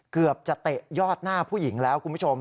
เกือบจะเตะยอดหน้าผู้หญิงแล้วคุณผู้ชม